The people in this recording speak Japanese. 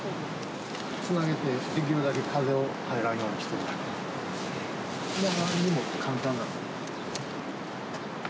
つなげてできるだけ風を入らんようにして。も簡単なの。